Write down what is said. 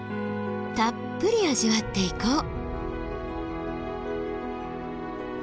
たっぷり味わっていこう！